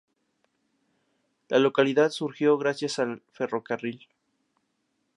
La localidad surgió gracias al ferrocarril.